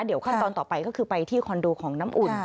เดี๋ยวขั้นตอนต่อไปก็คือไปที่คอนโดของน้ำอุ่น